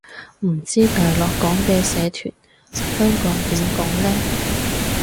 唔知大陸講嘅社團，香港點講呢